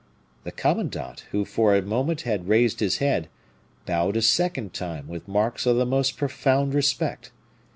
The commandant, who for a moment had raised his head, bowed a second time with marks of the most profound respect.